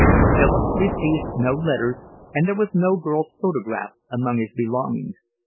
Philip received no letters, and there was no girl's photograph among his belongings.